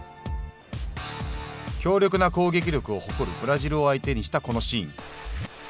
強力な攻撃力を誇るブラジルを相手にしたこのシーン。